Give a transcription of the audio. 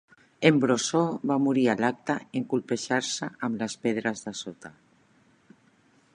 En Brosseau va morir a l'acte en colpejar-se amb les pedres de sota.